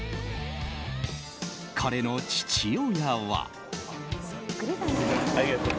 彼の父親は。